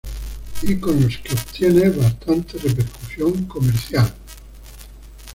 Y con los que obtiene bastante repercusión comercial.